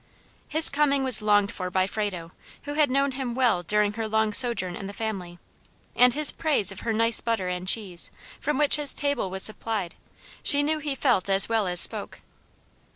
His coming was longed for by Frado, who had known him well during her long sojourn in the family; and his praise of her nice butter and cheese, from which his table was supplied, she knew he felt as well as spoke.